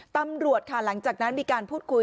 ตำรวจค่ะหลังจากนั้นมีการพูดคุย